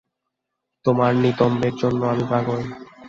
তোমার নিতম্বের জন্য আমি পাগল।